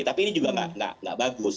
tapi ini juga nggak bagus